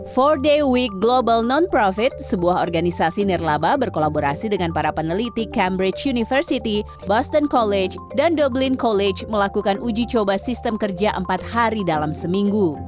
forday week global non profit sebuah organisasi nirlaba berkolaborasi dengan para peneliti cambridge university boston college dan doblin college melakukan uji coba sistem kerja empat hari dalam seminggu